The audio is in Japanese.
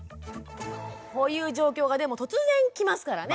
こういう状況がでも突然来ますからね。